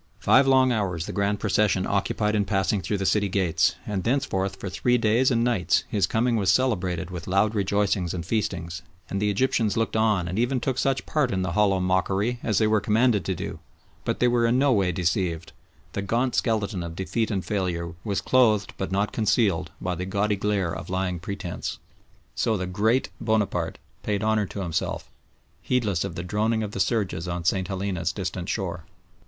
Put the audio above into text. Five long hours the grand procession occupied in passing through the city gates, and thenceforth for three days and nights his coming was celebrated with loud rejoicings and feastings, and the Egyptians looked on and even took such part in the hollow mockery as they were commanded to do, but they were in no way deceived; the gaunt skeleton of defeat and failure was clothed but not concealed by the gaudy glare of lying pretence. So the "Great" Bonaparte paid honour to himself, heedless of the droning of the surges on St. Helena's distant shore.